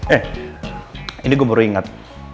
eh ini gue baru ingat